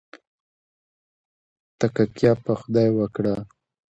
تککیه په خدای وکړئ